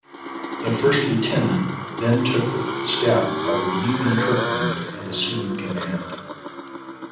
The first lieutenant then took the step of relieving Kirkland and assuming command.